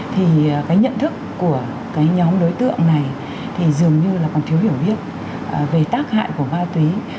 thì cái nhận thức của cái nhóm đối tượng này thì dường như là còn thiếu hiểu biết về tác hại của ma túy